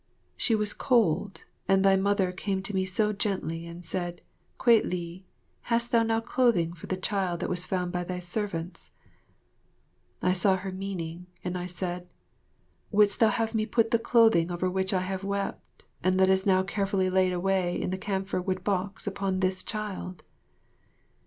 She was cold, and thy Mother came to me so gently and said, "Kwei li, hast thou no clothing for the child that was found by thy servants?" I saw her meaning, and I said, "Would'st thou have me put the clothing over which I have wept, and that is now carefully laid away in the camphor wood box, upon this child?"